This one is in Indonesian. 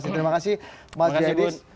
terima kasih mas yadi